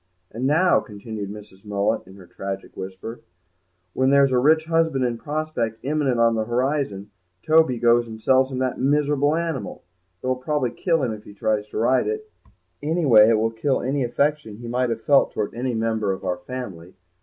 "And now," continued Mrs. Mullet, in her tragic whisper, "when there's a rich husband in prospect imminent on the horizon Toby goes and sells him that miserable animal. It will probably kill him if he tries to ride it; anyway it will kill any affection he might have felt towards any member of our family.